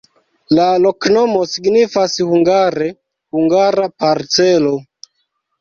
La loknomo signifas hungare: hungara-parcelo.